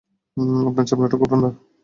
আপনার চামড়া খুব ঠান্ডা।